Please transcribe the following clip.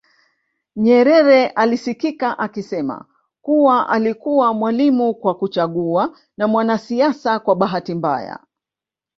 Nyerere alisikika akisema kuwa alikuwa mwalimu kwa kuchagua na mwanasiasa kwa bahati mbaya